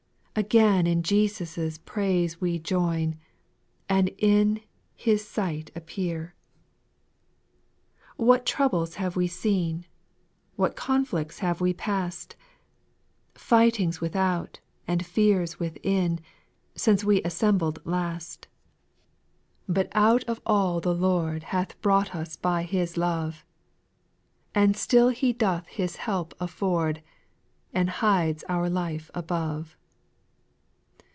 Again in Jesus' praise we join. And in His sight appe^x. I 100 SPIRITUAL SONGS. 8. What troubles have we seen, What conflicts have we past, Fightings without and fears within, Since we assembled last I 4. But out of all the Lord Hath brought us by His love ; And still He doth his help afford, And hides our life above.